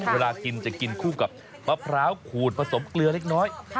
เวลากินจะกินคู่กับมะพร้าวขูดผสมเกลือเล็กน้อย